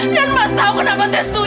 dan mas tahu kenapa saya setuju mas